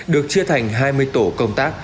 được chia thành hai mươi tổ công tác